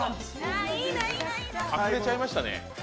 隠れちゃいましたね。